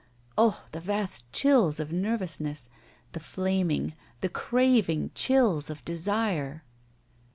Ugh! the vast chills of nervousness. The flaming, the craving chills of desire